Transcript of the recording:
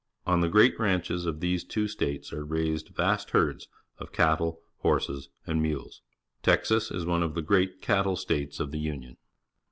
On the great ranches of these two states are raised vast herds of cattle ^horses, and mules. Texas is one of the great cattle states ot the Union.